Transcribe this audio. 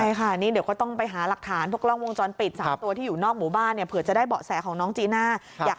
ใช่ค่ะนี่เดี๋ยวก็ต้องไปหาหลักฐานพวกกล้องวงจรปิด๓ตัวที่อยู่นอกหมู่บ้านเนี่ยเผื่อจะได้เบาะแสของน้องจีน่า